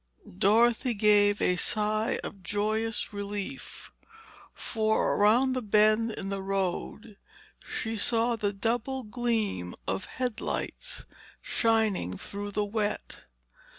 Dorothy gave a sigh of joyous relief, for around the bend in the road she saw the double gleam of headlights, shining through the wet.